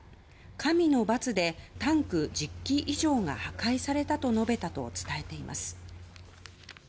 神の罰で、タンク１０基以上が破壊されたと述べたと伝えています。